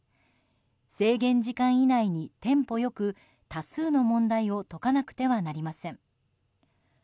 制限時間以内にテンポ良く多数の問題を解かなくてはなりません。